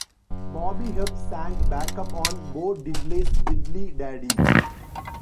Bobby Hebb sang backup on Bo Diddley's "Diddley Daddy".